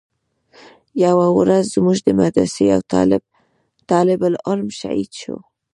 يوه ورځ زموږ د مدرسې يو طالب العلم شهيد سو.